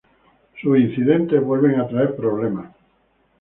Sus incidentes vuelven a traer problemas.